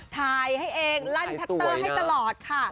ถ่ายให้เองลั่นชัตเตอร์ให้ตลอดค่ะ